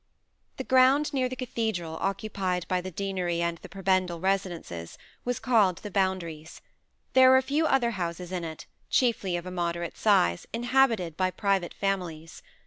The ground near the cathedral, occupied by the deanery and the prebendal residences, was called the Boundaries. There were a few other houses in it, chiefly of a moderate size, inhabited by private families.